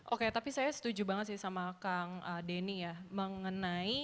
oke tapi saya setuju banget sih sama kang denny ya mengenai